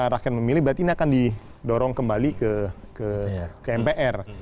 rakyat memilih berarti ini akan didorong kembali ke mpr